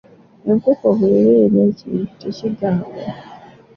Enkoko bw’eba erya ekintu tekigaaya.